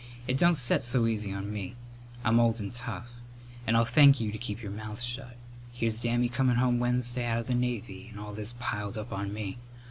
It don't set so easy on me. I'm old and tough. And I'll thank you to keep your mouths shut. Here's Dammy comin' home Wednesday out of the Navy, and all this piled up on me.